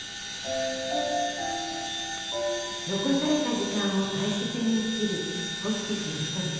残された時間を大切に生きるホスピスの人々。